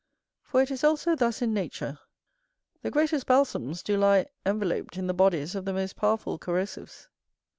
For it is also thus in nature: the greatest balsams do lie enveloped in the bodies of the most powerful corrosives.